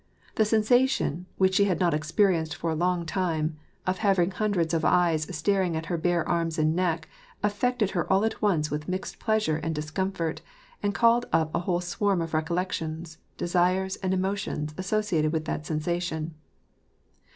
The sensation, which she had not experienced for a long time, of having hundreds of eyes staring at her bare arms and neck, affected her all at once with mixed pleasure and discomfort, and called up a whole swarm of recollections, desires, and emotions associated with that sensation.